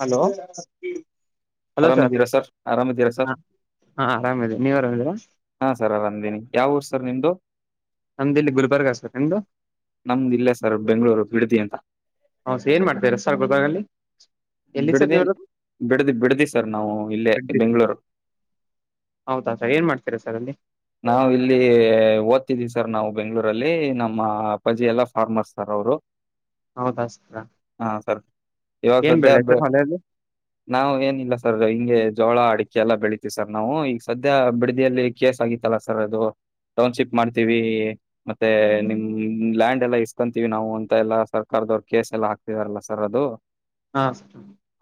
Hello ಆರಾಮ ಇದೀರಾ sir ಆರಾಮ್ದೀರಾ ಸರ್ ಹ ಹಾ ಆರಾಮದಿವಿ ನೀವ್ ಆರಾಮಿದೀರಾ ಹಾ ಸರ್ ಆರಾಮ ಇದೇನಿ ಯಾವ ಊರು ಸರ್ ನಿಮ್ಮದು ನಮ್ಮದು ಇಲ್ಲಿ ಗುಲ್ಬರ್ಗ ಸರ್ ನಿಮ್ಮದು ನಮ್ದು ಇಲ್ಲೇ ಸರ್ ಬೆಂಗ್ಗಳೂರು ಬಿಡದಿ ಅಂತ ಹೌದ ಸರ್ ಏನ್ ಮಾಡ್ತಾ ಇದೀರಿ ಸರ್ ಗುಲ್ಬರ್ಗದಲ್ಲಿ ಬಿಡದಿ ಸರ್ ನಾವ ಇಲ್ಲೇ ಇರೋದು ಬೆಂಗಳೂರು ಹೌದಾ ಸರ್ ಏನ್ ಮಾಡ್ತೀರಾ ಸರ್ ಅಲ್ಲಿ ನಾವು ಇಲ್ಲಿ ಓದ್ತಿದ್ವಿ ಸರ್ ನಾವು ಬೆಂಗ್ಳೂರಲ್ಲಿ ನಮ್ಮ ಅಪ್ಪಾಜಿ ಎಲ್ಲಾ ಫಾರ್ಮರ್ ಸರ್ ಅವರು ಹೌದಾ ಸರ್ ಹಾ ಸರ್ ಏನ್ ಬೆಳೆ ಸರ್ [unintelligible] ಹೊಲದಲ್ಲಿ ನಾವು ಏನಿಲ್ಲ ಸರ್ ಹಿಂಗೆ ಜೋಳ ಅಡಿಕೆ ಎಲ್ಲ ಬೆಳತೇವಿ ಸರ್ ನಾವು ಈಗ ಸದ್ಯ ಬಿಡಿದಿಯಲ್ಲಿ ಕೇಸ್ ಆಗಿತ್ತಲ್ಲ ಸರ್ ಅದು ಟೌನ್ಶಿಪ್ ಮಾಡ್ತೀವಿ. ಮತ್ತೆ ನಿಮ್ ಲ್ಯಾಂಡ್ ಎಲ್ಲಾ ಕಂತೀವಿ ನಾವು ಅಂತ ಎಲ್ಲ ಸರ್ಕಾರದವ್ರು ಕೇಸ್ ಎಲ್ಲ ಹಕ್ತಿದಾರಲ್ಲ ಸರ್ ಅದು ಹಾಂ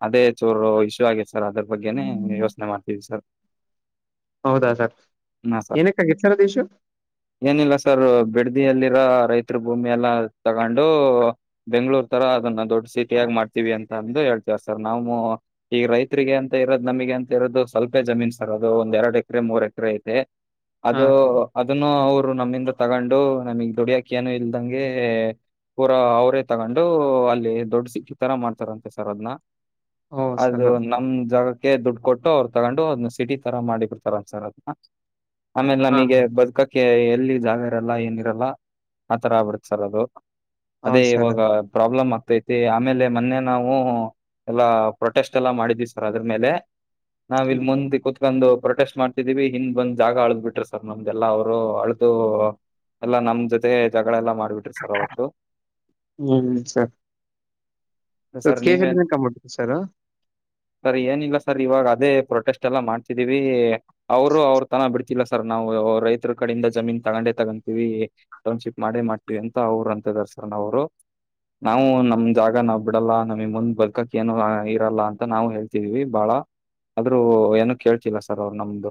ಅದೇ ಚೂರು ಇಶ್ಯೂ ಆಗೇದೆ ಸರ್ ಅದ್ರ ಬಗ್ಗೆನೆ ಯೋಚನೆ ಮಾಡ್ತೀವಿ ಸರ್. ಹೌದಾ ಸರ್ ಹಾ ಸರ್ ಏನಕ್ಕ ಆಗಿತ್ತು ಸರ್ ಅದು ಇಶ್ಯೂ ಏನಿಲ್ಲ ಸರ್ ಬಿಡದಿಯಲ್ಲಿರೋ ರೈತರು ಭೂಮಿ ಎಲ್ಲಾ ತಗೊಂಡು. ಬೆಂಗ್ಳೂರ್ ತರ ಅದನ್ನ ದೊಡ್ ಸಿಟಿಯಾಗ ಮಾಡ್ತೀವಿ ಅಂತ ಅಂದು ಹೇಳ್ತವ ಸರ್ ನಾವು ಈಗ ರೈತರಿಗೆ ಅಂತ ಇರೋದು ನಮಗೆ ಅಂತ ಇರೋದು ಸ್ವಲ್ಪೇ ಜಮೀನ್ ಸರ್ ಅದು ಒಂದ್ ಎರಡು ಎಕರೆ ಮೂರ್ ಎಕರೆ ಐತೆ ಹಾ ಸರ್ ಅದನ್ನು ಅವರು ನಮ್ಮಿಂದ ತಗೊಂಡು ನಮಗ್ ದುಡಿಯಕೆ ಏನು ಇಲ್ದಂಗೆ ಪೂರ ಅವರೇ ತಗೊಂಡು ಅಲ್ಲಿ ದೊಡ್ ಸಿಟಿ ತರ ಮಾಡ್ತಾರಂತೆ ಸರ್ ಅದನ್ನ ಓ ಸರ್ ಅದು ನಮ ಜಾಗ ಅವರಿಗೆ ದುಡ್ಡು ಕೊಟ್ಟು ಅವ್ರು ತಗೊಂಡು ಅದ್ನ್ನ ಸಿಟಿ ತರ ಮಾಡಿ ಬಿಡ್ತಾರ ಏನ್ ಸರ್ ಅದನ್ನ ಆಮೇಲೆ ಹಾ ನಮಗೆ ಬದುಕಕ ಎಲ್ಲಿ ಜಾಗ ಇರಲ್ಲ ಏನಿರಲ್ಲ ಆತರ ಆಗಿಬಿಡತ್ತ್ ಸರ್ ಅದು ಅದೇ ಹೌದು ಸರ್ ಇವಾಗ ಪ್ರಾಬ್ಲಮ್ ಆಗ್ತೈತಿ ಆಮೇಲೆ ಮೊನ್ನೆ ನಾವು ಎಲ್ಲ ಪ್ರೊಟೆಸ್ಟ್ ಎಲ್ಲ ಮಾಡಿದ್ವಿ ಸರ್ ಅದ್ರ ಮೇಲೆ ನಾವ್ ಇಲ್ ಮುಂದ ಕೊತು ಒಂದು ಪ್ರೊಟೆಸ್ಟ್ ಮಾಡ್ತಿದೀವಿ ಹಿಂದ್ ಬಂದ್ ಜಾಗ ಅಳ್ದ್ ಬಿಟ್ರ ಸರ್ ನಮ್ದೆಲ್ಲಾ ಅವ್ರು ಅಳದು ಎಲ್ಲಾ ನಮ್ ಜೊತೆ ಜಗಳೆಲ್ಲಾ ಮಾಡ್ಬಿಟ್ರಿ ಸರ್ ಅವತ್ತು ಹ್ಮ್ ಸರಿ. ಸ ಸರ್ ನೀವೇನ್ ಕೆಸಲ್ಲಿ ಕಮ್ಮ್ಬಿಟ್ಟತ್ತು ಸರ್ ಸರ್ ಏನಿಲ್ಲ ಸರ್ ಇವಾಗ ಅದೇ ಪ್ರೊಟೆಸ್ಟ್ ಎಲ್ಲ ಮಾಡ್ತಿದೀವಿ ಅವರು ಅವ್ರ ತನ ಬಿಡ್ತ ಇಲ್ಲ ಸರ್ ನಾವು ರೈತರ ಕಡೆಯಿಂದ ಜಮೀನ್ ತಗೊಂಡೆ ತಗೊಂತೀವಿ. ಟೌನ್ಶಿಪ್ ಮಾಡೇ ಮಾಡ್ತೀವಿ ಅಂತ ಅವರು ಅಂತ ದರ್ಸರನ ಅವರು ನಾವು ನಮ್ ಜಾಗ ನಾವ್ ಬಿಡಲ್ಲ ನಮಗ್ ಮುಂದ್ ಬರ್ಕಕ್ ಏನು ಇರಲ್ಲ ಅಂತ ನಾವು ಹೇಳ್ತಿದೀವಿ ಬಾಳ. ಆದ್ರೂ ಏನು ಕೇಳ್ತಿಲ್ಲ ಸರ್ ಅವ್ರು ನಮ್ದು.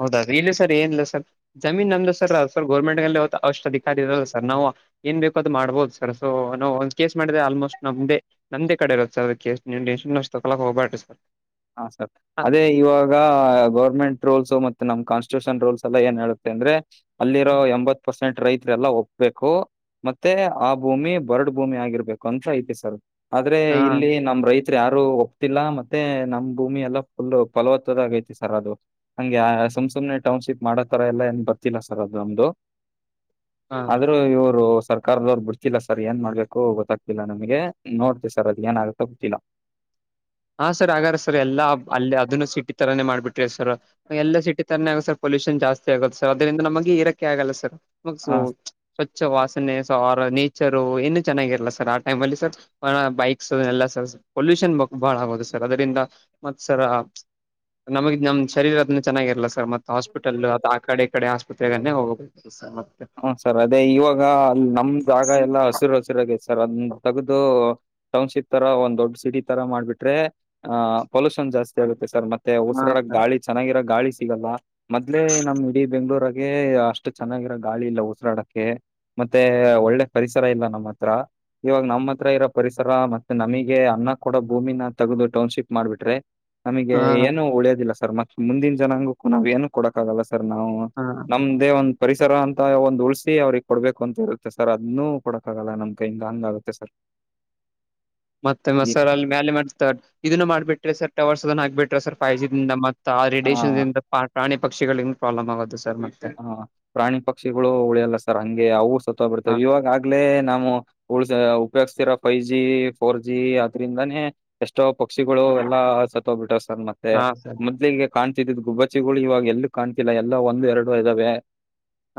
ಹೌದೌದು ಇಲ್ಲಿ ಸರ್ ಏನಿಲ್ಲ ಸರ್ ಜಮೀನ್ ನಮ್ದು ಸರ್ ಸರ್ ಗೋರ್ಮೆಂಟ್ಲ್ಲಿ ಅವಷ್ಟು ಅಧಿಕಾರಿ ಇರಲ್ಲ ಸರ್ ನಾವು. ಏನ್ ಬೇಕೋ ಅದು ಮಾಡ್ಬೋದು ಸರ್ ಸೊ ನಾವು ಒಂದ್ ಕೇಸ್ ಮಾಡಿದೆೆ ಆಲ್ಮೋಸ್ಟ್ ನಮ್ದೇ. ನಮ್ದ ಕಡೆ ಇರತ್ತೆ ಕೇಸ್ ಅದಕ್ಕೆ ಎಷ್ಟ ತೊಕಕ್ ಹೋಗಬಾರು ಸರ್ ಹಾ ಸರ್. ಹಾ ಅದೇ ಇವಾಗ ಗೌರ್ಮೆಂಟ್ ರೂಲ್ಸ್ ಮತ್ತೆ ನಮ್ ಕಾನ್ಸ್ಟಿಟ್ಯೂಷನ್ ರೂಲ್ಸ್ ಎಲ್ಲಾ ಏನ್ ಹೇಳುತ್ತೆ ಅಂದ್ರೆ. ಅಲ್ಲಿರೋ ಎಂಬತ್ ಪರ್ಸೆಂಟ್ ರೈತ ಎಲ್ಲ ಒಪ್ಬೇಕು. ಮತ್ತೆ ಆ ಭೂಮಿ ಬರ್ಡ್ ಭೂಮಿ ಆಗಿರ್ಬೇಕು ಅಂತ ಐತೆ ಸರ್. ಆದ್ರೆ ಹಾ ಇಲ್ಲಿ ನಮ ರೈತ್ ಯಾರು ಒಪ್ತಿಲ್ಲ ಮತ್ತೆ ನಮ್ ಭೂಮಿ ಎಲ್ಲ ಫುಲ್ ಫಲವತ್ತದಾಗ ಆಗೈತೆ ಸರ್ ಅದು. ಹಂಗೆ ಸು ಸುಮನೆ ಟೌನ್ಶಿಪ್ ಮಾಡೋತರ ಎಲ್ಲಾ ಏನ್ ಬರ್ತಿಲ್ಲಾ ಸರ್ ಅದು ನಮ್ದು. ಆದ್ರೂ ಇವರು ಸರ್ ಕರ್ದವ್ರು ಬಿಡ್ತಿಲ್ಲ ಸರ್ ಏನ್ ಮಾಡ್ಬೇಕು ಗೊತ್ತಾಗ್ತಿಲ್ಲ ನಮಗೆ ನೋಡ್ತಿ ಸರ್ ಅದ ಏನ ಆಗುತ್ತೋ ಗೊತ್ತಿಲ್ಲ. ಹಾ ಸರ್ ಹಾಗಗಾರ ಸರ್ ಎಲ್ಲಾ ಅಲ್ಲಿ ಅದನ್ನು ಸಿಟಿ ತರಾನೇ ಮಾಡ್ಬಿಟ್ರಿ ಸರ್ ಎಲ್ಲಾ ಸಿಟಿ ತರಾನೇ ಆಗ ಸರ್. ಪೋಲಿಷನ್ ಜಾಸ್ತಿ ಆಗುತ್ತೆ ಸರ್ ಅದರಿಂದ ನಮಗೆ ಇರಾಕ್ಕೆೆ ಆಗಲ್ಲ ಸರ್ ಸೋ ಹಾ ಸ್ವಚ್ಛ ವಾಸನೆ ಸ ನೇಚರು ಏನು ಚೆನ್ನಾಗಿರಲ್ಲ ಸರ್ ಆ ಟೈಮ್ಲ್ಲಿ ಸರ್. ಹ ಬೈಕ್ಸ್ ಎಲ್ಲಾ ಪೊಲ್ಯೂಷನ್ ಬ ಬಾಳ ಆಗೋದು ಸರ್ ಅದರಿಂದ ಮತ್ ಸರ ನಮಗೆ ನಮ ಶರೀರ ಅದನ್ನ ಚೆನ್ನಾಗಿರಲ್ಲ ಸರ್ ಮತ್ ಹಾಸ್ಪಿಟಲ್ ಅದು ಆ ಕಡೆ ಕಡೆ ಆಸ್ಪತ್ರೆಗೇ ಹೋಗ ಹ ಸರ್ ಅದೇ ಇವಾಗ ಅ ನಮ್ದಾಗ ಎಲ್ಲಾ ಹಸಿರು ಹಸಿರಾಗೇ ಸರ್ ಅದನ್ನು ತೆಗೆದು. ಟೌನ್ಶಿಪ್ ತರ ಒಂದ್ ದೊಡ್ ಸಿಟಿ ತರ ಮಾಡ್ಬಿಟ್ರೆ ಆಹ್ ಪೊಲ್ಯೂಷನ್ ಜಾಸ್ತಿ ಆಗುತ್ತೆ ಸರ್ ಮತ್ತೆ ಮತ್ತು ಹಾ ಉಸಿರಾಡ ಸರ್ ಗಾಳಿ. ಚೆನ್ನಾಗಿರೋ ಗಾಳಿ ಸಿಗಲ್ಲ ಮೊದ್ಲೇ ನಮ್ ಇಡೀ ಬೆಂಗ್ಳೂರಾಗ ಅಷ್ಟು ಚೆನ್ನಾಗಿರೋ. ಗಾಳಿ ಇಲ್ಲ ಉಸಿರಾಡಕ್ಕೆ ಮತ್ತೆ ಒಳ್ಳೆ ಪರಿಸರ ಇಲ್ಲ ನಮ್ಮ ಹತ್ರ. ಇವಾಗ ನಮ್ಮ್ ಹತ್ರ ಇರೋ ಪರಿಸರ ಮತ್ತೆ ನಮಗೆ ಅನ್ನ ಕೂಡ ಭೂಮಿನ ತಗದು ಟೌನ್ಶಿಪ್ ಮಾಡ್ಬಿಟ್ರೆ. ನಮಗೆ ಹಾ ಏನು ಉಳ್ಯೋದಿಲ್ಲ ಸರ್ ಮತ್ತ ಮುಂದಿನ ಜನಾಂಗೂ ನಾವ್ ಏನು ಕೊಡಕ್ಕಾಗಲ್ಲ ಸರ್ ನಾವು. ಹಾ ನಮ್ದೇ ಒಂದ್ ಪರಿಸರ ಅಂತ ಒಂದ್ ಉಳಸಿ ಅವ್ರಗ್ ಕೊಡ್ಬೇಕು ಅಂತ ಇರುತ್ತೆ ಸರ್ ಅದನ್ನು ಕೊಡಕಕ್ಕಾಗಲ್ಲ ನಮ್ ಕ ಹಿಂಗ ಹಂಗ ಆಗುತ್ತೆ ಸರ್. ಮತ್ತೆ ಈ ಮಸರ್ ಅಲ್ಲಿ ಮ್ಯಾಲಲೆ ಮಾಡ್ತ ಇದನ್ನು ಮಾಡ್ಬಿಟ್ರಿ ಸರ್ ಟವರ್ಸ್ ಅದನ್ನ ಹಾಬಿಟ್ರಿ ಸರ್ ಫೈ ಜಿ ದಿಂದ ಮತ್ತ ಆ ರೇಡಿಯೇಶನ್ ಇಂದ ಪ್ರಾಣಿ ಪಕ್ಷಿಗಳಿಗೊ ಪ್ರಾಬ್ಲಮ್ ಆಗೋದು ಸರ್ ಮತ್ತೆ. ಹ ಪ್ರಾಣಿ ಪಕ್ಷಿಗಳು ಉಳಿಯಲ್ಲ ಸರ್ ಹಂಗೆ ಅವರು ಸತ್ ಹಾ ಬರ್ತವೆ ಇವಾಗಗ್ಲೇ ನಾವು ಉ ಉಪಯೋಗ್ತಿರ ಫೈವ್ ಜಿ ಫೋರ್ ಜಿ ಅದ್ರಿಂದಾನೇ. ಎಷ್ಟೋ ಪಕ್ಷಿಗಳು ಎಲ್ಲಾ ಸತ್ತ್ಬಿಟ್ಟರು ಸರ್ ಮತ್ತೆ ಹಾ ಸರ್ ಮೊದ್ಲಿಗೆ. ಕಾಣ್ತಿದ್ದಿದ್ದ ಗುಬ್ಬಚ್ಚಿಗಳು ಇವಾಗ ಎಲ್ಲೂ ಕಾಣ್ತಿಲ್ಲ ಎಲ್ಲ ಒಂದು ಎರಡು ಇದ್ದಾವೆ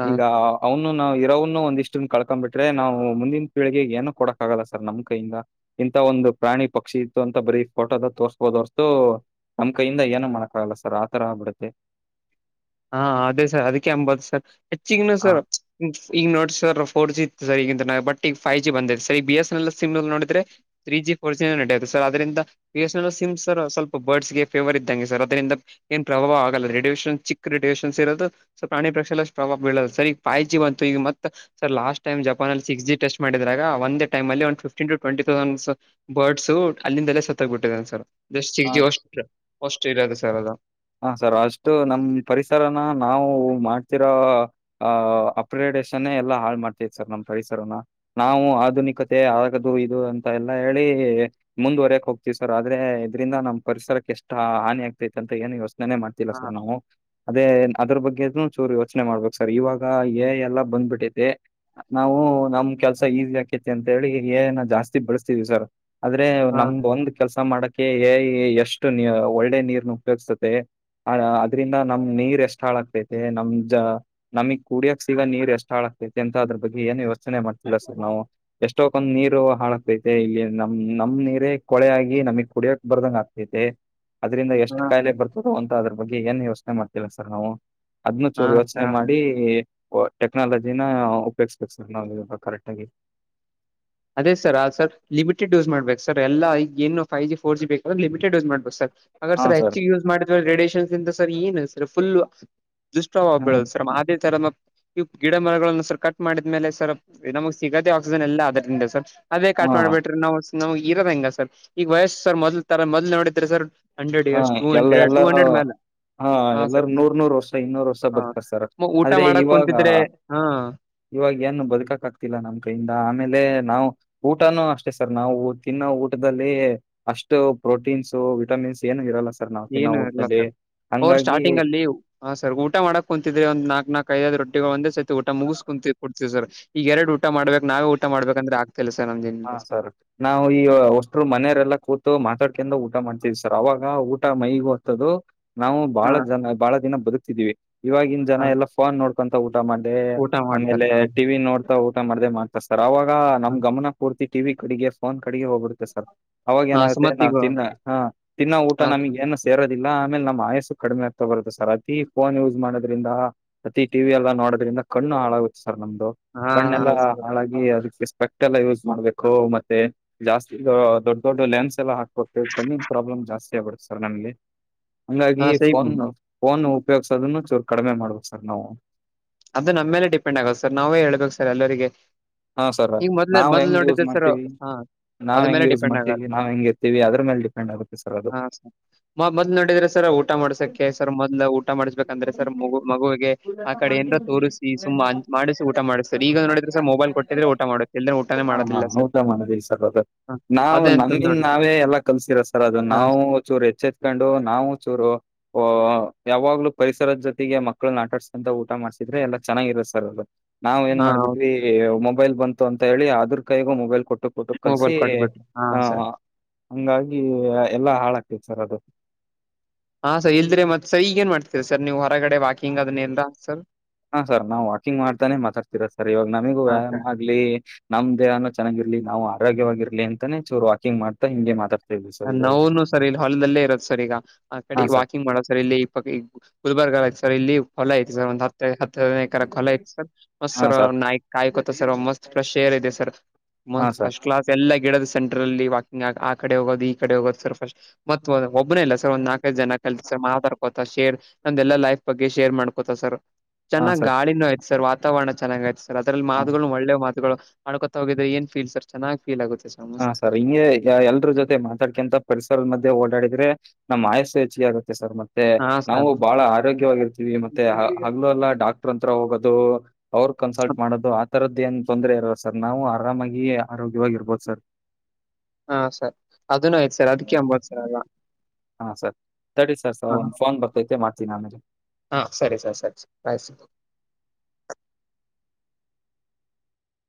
ಹಾ ಈಗ ಅವ್ನು ನಾವವು ಇರವ್ನು ಒಂದಿಷ್ಟನ್ ಕಳಕೊಂಡು ಬಿಟ್ರೆ ನಾವು ಮುಂದಿನ ಪೀಳಿಗೆಗೆ ಏನು ಕೊಡಕ್ ಆಗಲ್ಲ ಸ ನಮ್ ಕೈಯಿಂದ. ಇಂತ ಒಂದು ಪ್ರಾಣಿ ಪಕ್ಷಿ ಇತ್ತು ಅಂತ ಬರೀ ಫೋಟೋದ ತೋರ್ಸ್ಬೋದುರ್ತು ನಮ್ಮ್ ಕೈಯಿಂದ ಏನ ಮಾಡೋಕ ಆಗಲ್ಲ ಸರ್ ಆ ತರ ಬಿಡುತ್ತೆ. ಹಾ ಅದೇ ಸರ್ ಅದಕ್ಕೆ ಎಂಬತ್ ಸರ್ ಹೆಚ್ಚಿಗನು ಹಾ. ಸರ್. ಈಗ ನೋಡ್ ಸರ್ ಫೋರ್ ಜಿ ಇತ್ತು ಸರ್ ಈಗಿಂತ ಬಟ್ ಈಗ ಫೈವ್ ಜಿ ಬಂದೇ ಸರ್ ಈ B S N L sim ನೋಡುದ್ರೆ. ತ್ರೀ ಜಿ ಫೋರ್ ಜಿನ ನಡೆಯತು ಸರ್ ಅ್ರಂದ B S N L sim sir ಸ್ವಲ್ಪ ಬರ್ಡ್ಸ್ಗೆ ಫೇವರ್ ಇದ್ದಂಗೆ ಸರ್ ಅದರಿಂದ ಏನ್ ಪ್ರಭಾವ ಆಗಲ್ಲ ರೇಡೇಷನ್ ಚಿಕ್ ಕ್ರಿಟೇಷನ್ಸ್ ಇರೋದು ಸೊ ಪ್ರಾಣಿ ಪ್ರೇಕ್ಷೆ ಪ್ರಭಾವ ಬೀೋದು ಸರ್ ಈಗ ಫ್ ಜಿ ಬಂತು ಈಗ ಮತ್ತೆ ಸರ್ ಲಾಸ್ ಟೈಮ ಜಪನ್ಲ್ಲಿ ಸಿಕ್ಸ್ ಜಿ ಟೆಸ್ ಮಾಡಿದಾಗ ಆಂದ ಟೈಮ ಅ ಒ ಫ್ಟೀನ್ ಟ ಟ್ವೆಂಟಿ ತೌಸ ಬರ್ಡ್ಸ್ ಅಲ್ಲಿಂದಲ್ಲೇ ಸತ್ತ ಬಿಟ್ಟಿದಾನೆ ಸರ್ ಆ ಸಿಗಿ ಹಸ್ಟ್ರ ಇ ಅದು ಸರ್ ಅದು ಹ ಸರ್ ಅಷ್ಟು ನಮ್ ಪರಿಸರನ ನಾವು ಮಾಡ್ತಿರೋ ಆ ಅಪ್ಗ್ರೇಡೇಶನ್ ಎಲ್ಲಾ ಹಾಳ್ ಮಾಡ್ತೇ ಸರ್ ನಮ್ಮ್ ಪರಿಸರನ ನಾವು ಆಧುನಿಕತೆ ಆಗದು ಇದು ಅಂತ ಎಲ್ಲಾ ಹೇಳಿ ಮುಂದುವರೆಕ್ ಹೋಗ್ತಿವಿ ಸರ್ ಆದ್ರೆ ಇದ್ರಿಂದ ನಮ್ ಪರಿಸರಕ್ಕೆ ಎಷ್ಟ ಹಾನಿ ಆಗ್ತೈತ್ಂತ ಏನು ಯೋಚನೆನೆ ಮಾಡ್ತಿಲ್ಲ ಹಾ ಸರ್ ನಾವು ಅದೇ ಅದ್ರ ಬಗ್ಗೆನು ಚೂರು ಯೋಚನೆ ಮಾಡ್ಬೇಕಕ್ ಸರ್ ಇವಾಗ ಏ ಎಲ್ಲಾ ಬಂದ್ಬಿಟ್ಟೈತಿ ನಾವು ನಮ್ ಕೆಲ್ಸ ಈಸಿ ಆಕೇತಿ ಅಂತೇಳಿ ಏನ ಜಾಸ್ತಿ ಬಳಸ್ತೀವಿ ಸರ್ ಆದ್ರೆ ಹಾ ನಮ್ದ ಒಂದ್ ಕೆಲ್ಸ ಮಾಡಕ ಎ ಐ ಎಷ್ಟು ಒಳ್ಳೆ ನೀರ್ನು [unintelligible] ಅ ಅದ್ರಿಂದ ನಮ್ ನೀರ್ ಎಷ್ಟ ಹಾಳಾಗ್ತೈತೆ ನಮ್ ಜ ನಮಿಗ್ ಕುಡಿಯಕ್ ಸಿಗಾ ನೀರ್ ಎಷ್ಟ ಹಾಳಾಗಗ್ತೈತಿ ಅಂತ ಅದ್ರ ಬಗ್ಗೆ ಏನ್ ಯೋಚನೆ ಮಾಡ್ತಿಲ್ಲಾ ಸರ್ ನಾವು ಎಷ್ಟೋ ಬಂದ್ ನೀರು ಹಾಳಾಗಕ್ತೈತೆ ಇಲ್ಲಿ ನಮ್ ನಮ್ ನೀರೇ ಕೊಳೆ ಆಗಿ ನಮಗ್ ಕುಡಿಯಕ್ ಬರ್ದಂಗ ಆಗ್ತೈತೆ ಅದ್ರಿಂದ ಎಷ್ಟು ಹಾ ಅಂತ ಅದ್ರ ಬಗ್ಗೆ ಏನ್ ಯೋಚನೆ ಮಾಡ್ತಿಲ್ಲ ಸರ್ ನಾವು ಹದ್ನ ಹಾ ಚೂರು ಯೋಚನೆ ಸರ್, ಮಾಡಿ ಟೆಕ್ನಾಲಜಿನ ಉಪಯೋಗ್ಬೇಕು ಸರ್ ನಾವು ಇವಾಗ ಕರೆಕ್ಟ್ ಆಗಾಗಿ ಅದೇ ಸರ್ ಅ ಸರ್ ಲಿಮಿಟೆಡ್ ಯೂಸ್ ಮಾಡ್ಬೇಕ ಸರ್ ಎಲ್ಲಾ ಏನು ಫೈ ಜಿ ಫೋರ್ ಜಿ ಬೇಕಾದ್ರೆ ಲಿಮಿಟೆಡ್ ಯೂಸ್ ಮಾಡ್ಬೇಕು ಸರ್ ಹಾಗ್ರ ಸರ್ ಹೆಚ್ಚಿಗೆ ಯೂಸ್ ಮಾಡಿದ ರೇಡಿಯೇಷನ್ ಸರ್ ಏನು ಸರ್ ಫುಲ್ ದುಷ್ಟವ ಹ್ಮ ಬೆಳೋದು ಸರ್ ಮಾತೇ ತರ ಇ ಗಿಡ ಮರಗಳನ್ನು ಸರ್ ಕಟ್ ಮಾಡಿದ್ಮೇಲೆ ಸರ್ ನಮಗೆ ಸಿಗದೇ ಆಕ್ಸಿಜನ್ ಎಲ್ಲಾ ಅದರಿಂದ ಸರ್ ಅದೇ ಹಾ ಕಟ್ ಮಾಡ್ಬ ಬಿಟ್ರ ನಾವ ನಮಗ್ ಇರದ ಹಂಗ ಸರ್ ಈಗ ವಯಸ್ಸ ಸರ್ ಮೊದಲ್ ತರ ಮೊದ್ ನೋಡಿದ್ರರಿ ಸರ್ ಹಂಡ್ರೆಡ್ ಹಾ ಇಯರ್ಸ್ ಟೂ ಎಲ್ಲ ಹಂಡ್ರೆಡ್ ಟೂ ಎಲ್ಲಾರೂ ಹಂಡ್ರೆಡ್ ಮೇಲೆ ಹಾ ಎಲ್ಲರೂ ನೂರ್ ನೂರ್ ವರ್ಷ ಇನ್ನೂರು ವರ್ಷ ಹಾ ಬದುಕರ್ತರ್ ಊಟ ಆದ್ರೆ ಮಾಡಕ್ ಇವಾಗ ಕುಂತಿದ್ರೆ ಹಾ ಇವಾಗ ಏನು ಬದುಕಕ್ ಆಗ್ತಿಲ್ಲಾ ನಮ್ ಕೈಯಿಂದ ಆಮೇಲೆ ನಾವು ಊಟನೂ ಅಷ್ಟೆ ಸರ್ ನಾವು ತಿನ್ನೋ ಊಟದಲ್ಲಿ ಅಷ್ಟು ಪ್ರೋಟೀನ್ಸ ವಿಟಮಿನ್ಸ್ ಏನು ಇರಲ್ಲ ಸರ್ ನಾವು ತಿನ್ನೋ ಏನು ಇರಲ್ಲ ಊಟದಲ್ಲಿ ಸರ್ ಅವರು ಹಂಗಾಗಿ ಸ್ಟಾರ್ಟಿಂಗ್ ಅಲ್ಲಿ ಹಾ ಸರಿ ಊಟ ಮಾಡಕ್ ಕುಂತಿದ್ರೆಂದ ನಾಕ್ ನಾಕಕ್ ಐದದು ರೊಟ್ಟಿ ಒಂದ ಸಹತಿ ಊಟ ಮುಗಿಸಸ್ ಕುಂತ ಸರ್ ಈಗ ಎರಡು ಊಟ ಮಾಡ್ಬೇಕು ನಾವೇ ಊಟ ಮಾಡ್ಬೇಕಂದ್ರೆ ಆಗ್ತ ಇಲ್ಲ ಸರ್ ಹಾ ನಮ್ಮಿಂದ ಸರ್ ನಾವು ಈ ಅಷ್ಟ ಮನೆಯರೆಲ್ಲಾ ಕೂತು ಮಾತಾಡ್ಕಂಡ ಊಟ ಮಾಡ್ತಿದವಿ ಸರ್ ಅವಾಗ ಊಟ ಮೈಗ ಹೊತದು ನಾವು ಹಾ ಬಹಳ ಜನ ಬಹಳ ದಿನ ಬದುಕ್ತಿದೀವಿ ಇವಾಗಿನ ಜನ ಹಾ ಎಲ್ಲ ಫೋನ್ ನೋಡ್ಕೊಂತಾ ಊಟ ಮಾಡ್ದೆ ಊಟ ಮಾಡ್ತಾರ ಆಮೇಲೆ ಹಾ ಟಿವಿ ನೋಡ್ತಾ ಊಟ ಮಾಡ್ದೆ ಸರ್ ಅವಾಗ ನಮ್ ಗಮನ ಪೂರ್ತಿ ಟಿ ವಿ ಕಡೆಗೆ ಫೋನ್ ಕಡೆಗೆ ಹೋಗ್ಬಿಡುತ್ತೆ ಸರ್ ಅವಾಗ ಹಾ ಏನಾಗುತ್ತೆ ನಾವ ಸುಮತಿಗ ತಿನ್ನ ಹ ತಿನ್ನೋ ಊಟ ಹಾ ನಮಗ್ ಏನ್ ಸೇರೋದಿಲ್ಲ ಆಮೇಲೆ ನಮ್ಮ್ ಆಯಸ್ಸು ಕಡಿಮೆ ಆಗ್ತಾ ಬರುತ್ತೆ ಸರ್ ಅತಿ ಫೋನ್ ಯೂಸ್ ಮಾಡೋದ್ರಿಂದ ಪ್ರತಿ ಟಿವಿ ಎಲ್ಲ ನೋಡೋದ್ರಿಂದ ಕಣ್ಣು ಹಾಳಾಗುತ್ತೆ ಸರ್ ನಮ್ದು ಹಾ ಕಣ್ಣೆಲ್ಲ ಹಾ ಸರ್ ಅದಕ್ಕೆ ಸ್ಪೆಕ್ಟ್ ಎಲ್ಲ ಯೂಸ್ ಮಾಡ್ಬೇಕು ಮತ್ತೆ ಜಾಸ್ತಿ ದೊಡ್ಡ ದೊಡ್ ಲೆನ್ಸ್ ಎಲ್ಲ ಹಾಕ್ ಕಣ್ಣಿನ ಪ್ರಾಬ್ಲಮ್ ಜಾಸ್ತಿ ಆಗ್ಬಿಡು ಸರ್ ನಮಲ್ಲಿ ಹಾ ಹಂಗಾಗಿ ಸ ಫೋನ್ ಫೋನ್ ಉಪಯೋಗ್ಸೋದನ್ನು ಚರು ಕಡಿಮೆ ಮಾಡ್ಬೇಕು ಸರ್ ನಾವು ಅದು ನಮ್ಮ ಮೇಲೆ ಡಿಪೆಂಡ್ ಆಗುತ್ತೆ ಸರ್ ನಾವೇಳ್ಬೇಕು ಸರ್ ಎಲ್ಲರಿಗೆ ಹಾ ಸರ್ ಈಗ ಮೊದ್ಲ ನಾವ್ ಮೊದ್ಲ್ ಹೆಂಗ್ ಯೂಸ್ ನೋಡಿದ ಸರ್ ಮಾಡ್ತೀವಿ ಹಾ ಅದ ನಾವ್ ಹೆಂಗ ಮೇಲೆ ಯೂಸ್ ಡಿಪೆಂಡ್ ಆಗಲ್ಲ ಮಾಡ್ತೀವಿ ನಾವ್ ಹೆಂಗ ಇರ್ತೀವಿ ಅದ್ರ ಮೇಲೆ ಡಿಪೆಂಡ್ ಆಗುತ್ತೆ ಸರ್ ಅದು ಹಾ ಸರ್ ಮ ಮೊದ್ಲ ನೋಡಿದ್ರೆ ಸರ್ ಊಟ ಮಾಡ್ಸಕ್ಕೆ ಸರ್ ಮೊದ್ಲ ಊಟ ಮಾಡಿಸಸ್ಬೇಕಂದ್ರೆ ಸರ್ ಮಗು ಮಗುವಿಗೆ ಆ ಕಡೆ ಏನ್ ತೋರಿಸಿ ಸುಮ್ಮಾ ಮಾಡಿಸಿ ಊಟ ಮಾಡಸ್ತಿದ್ರ ಈಗ ನೋಡಿದ್ರೆ ಸರ್ ಮೊಬೈಲ್ ಕೊಟ್ಟಿದ್ರೆ ಊಟ ಮಾಡುತ್ತೆ ಇಲ್ದಿದಿದ್ರ ಊಟಾನೇ ಹಾ ಹಾ ಮಾಡೋದಿಲ್ಲ ಸರ್. ಹೌದಾ ಮಾನವಿ ಸರ್ ಅದು ಹ ನಾವು ಅದೇ ಅನ್ಸದ್ ನಮ್ಮಿಂದ್ ನೋಡ್ರಿ ಸರ್ ನಾವೇ ಎಲ್ಲಾ ಕಲ್ಸಿರೊದ್ ಸರ್ ಅದು ಹಾ ನಾವು ಸರ್. ಚೂರು ಹೆಚ್ಚ ಕೊಂಡು ನಾವು ಚೂರು. ಓ ಒ ಯಾವಾಗ್ಲೂ ಪರಿಸರದ್ ಜೊತೆಗೆ ಮಕ್ಕಳ್ನ ಆಟಾಡ್ಸಕಂತ ಊಟ ಮಾಡ್ಸಿದ್ರೆ ಎಲ್ಲಾ ಚೆನ್ನಾಗಿರುತ್ತೆ ಸರ್ ಅದು. ನಾವ್ ಏನ್ ಹಾ ಹೌದು, ಮಾಡ್ಬಿಟ್ವಿ ಮೊಬೈಲ್ ಬಂತು ಅಂತ ಹೇಳಿ ಅದ್ರ ಕೈಗೂ ಮೊಬೈಲ್ ಕೊಟ್ಟು ಕೊಟ್ಟು ಮೊಬೈಲ್ ಕಲಸಿ ಕೊಟ್ಬಿಟ್ಟು ಹಾ ಆಹ ಸರ್ ಹಂಗಾಗಿ ಎಲ್ಲಾ ಹಾಳಾಗ್ತೈತ್ ಸರ್ ಅದು. ಹಾಂ ಸರ್ ಇಲ್ದ್ರೆ ಮತ್ ಸರ್ ಈಗೇನ್ ಮಾಡ್ತೀರಿ ಸರ್ ನೀವು ಹೊರಗಡೆ ವಾಕಿಂಗ್ ಅದ್ನೆಲ್ಲ ಸರ್. ಹಾಂ ಸರ್ ನಾವು ವಾಕಿಂಗ್ ಮಾಡ್ತಾನೆ ಮಾತಾಡ್ತಿರದ್ ಸರ್ ಇವಾಗ ನಮ್ಗು ಹಾ ಸರ್ ವ್ಯಾಯಾಮ ಲಿ ನಮ್ ದೇಹಾನು ಚೆನ್ನಾಗಿರ್ಲಿ ನಾವು ಆರೋಗ್ಯವಾಗಿರ್ಲಿ ಅಂತಾನೆ ಚೂರು ವಾಕಿಂಗ್ ಮಾಡ್ತಾ ಹಿಂಗೆ ಮಾತಾಡ್ತ್ ನೋವುನು ಸರ್ ಇಲ್ಲಿ ಹೊಲ್ದಲ್ಲೇ ಇರದ್ ಸರ್ ಈಗ ಆ ಕಡೆ ಹಾ ಸರ್ ವಾಕಿಂಗ್ ಮಾಡೋದು ಸರ್ ಇಲ್ಲಿ ಇ ಪ ಗುಲ್ಬರ್ಗ ಐತೆ ಸರ್ ಇಲ್ಲಿ ಹೊಲ ಐತೆ ಸರ್ ಒಂದ ಹತ್ ಹತ್ತು ಹನೈಕರ ಹೊಲ ಐತೆ ಸರ್ ಮತ್ ಸರ್ ನಾಯಕ ಕಾಯ್ಕೊತ ಸರ್ ಮಸ್ತ್ ಫ್ರೆಶ್ ಏರ್ ಇದೆ ಸರ್ ಹಾ ಮತ್ ಸರ್ ಫಷ್ ಕ್ಲಾಸ್ ಎಲ್ಲಾ ಗಿಡದ ಸೆಂಟರಲ್ಲಿ ವಾಕಿಂಗ್ ಆ ಕಡೆ ಹೋಗೋದು ಈ ಕಡೆ ಹೋದು ಸರ್ಫಸ್ಟ್ ಮತ್ ಒಬ್ಬನೇ ಅಲ್ಲ ಸರ್ ಒಂದ್ ನಾಲ್ಕೈದು ಜನ ಕಲ್ರ್ ಮಾತಾಡ್ಕೊತಾ ಶೇರ್. ನಮ್ದೆಲ್ಲಾ ಲೈಫ್ ಬಗ್ಗೆ ಶೇರ್ ಮಾಡ್ಕೊತಾ ಸರ್. ಹಾ ಚೆನ್ನಾಗಿ ಸರ್ ಗಾಳಿನೂ ಐತಿ ಸರ್ ವಾತಾವರಣ ಚೆನ್ನಾಗ ಆಯ್ತ್ ಸರ್ ಅದ್ರಲ್ಲಿ ಹ ಮಾತುಗಳುನು ಒಳ್ಳೆ ಮಾತುಗಳು. ಆಡ್ಕೋತ ಹೋಗಿದೆ ಏನ್ ಫೀಲ್ ಸರ್ ಚೆನ್ನಾಗ್ ಫೀಲ್ ಆಗುತ್ತೆ ಸರ್. ಹಾಂ ಮಸ್ತ್ ಸರ್ ಇಂಗೆ. ಎಲ್ರೂ ಜೊತೆ ಮಾತಾಡ್ಕ್ಯಂತ ಪರಿಸರದ ಮಧ್ಯೆ ಓಡಾಡಿದ್ರೆ ನಮ್ ಆಯಸ್ಸು ಹೆಚ್ಚಿಗೆ ಆಗುತ್ತೆ ಸರ್ ಮತ್ತ್ ತ್ತೆ ಹಾ ನಾವು ಸರ್ ಬಹಳ ಆರೋಗ್ಯವಾಗಿರ್ತೀವಿ ಮತ್ತೆ ಹಗ್ಲು ಎಲ್ಲ ಡಾಕ್ಟರ್ ಹತ್ರ ಹೋಗೋದು. ಅವ್ರು ಕನ್ಸಲ್ಟ್ ಮಾಡೋದು ಆ ತರದ್ದ್ ಏನ್ ತೊಂದರೆೆ ಇರಲ್ಲ ಸರ್ ನಾವು ಆರಾಮಾಗಿ ಆರೋಗ್ಯವಾಗಿರ್ಬೋದು ಸರ್. ಹಾಂ ಸರ್ ಅದನ್ನು ಆಯ್ತ ಸರ್ ಅದಕ್ಕೆ ಎಂಬತ್ ಸರ್ ಅಲ್ಲ. ಹಾಂ ಸರ್ ತಡ್ರಿ ಸರ್ ಸರ್ ಒಂದು ಫೋನ್ ಬರ್ತೈತೆ ಮಾಡ್ತೀನಿ ಆಮೇಲೆ. ಹಾಂ ಸರಿ ಸರ್ ಸರಿ ಸರ್ ಬಾಯ್ ಸರ್.